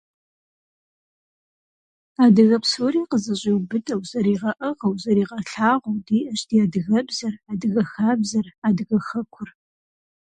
Адыгэ псори къызэщӀиубыдэу, зэригъэӀыгъыу, зэригъэлъагъуу диӀэщ ди адыгэбзэр, адыгэ хабзэр, адыгэ хэкур.